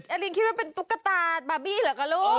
ลินคิดว่าเป็นตุ๊กตาบาร์บี้เหรอคะลูก